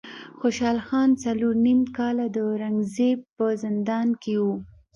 خوشحال خان څلور نیم کاله د اورنګ زیب په زندان کې و.